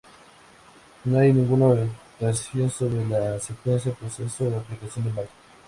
No hay ninguna orientación sobre la secuencia, proceso o aplicación del marco.